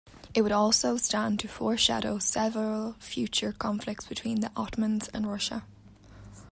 It would also stand to foreshadow several future conflicts between the Ottomans and Russia.